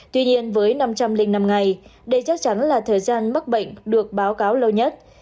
tuy nhiên với năm trăm linh năm ngày đây chắc chắn là thời gian mắc bệnh được báo cáo lâu nhất